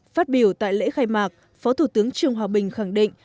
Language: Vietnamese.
phát biểu tại lễ khai mạc phó thủ tướng trương hòa bình khẳng định